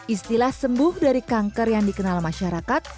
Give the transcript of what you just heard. istilah sembuh dari kanker yang dikenal masyarakat